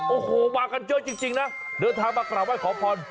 โอ้โหมากันเยอะจริงนะเดินทางมากราบไห้ขอพร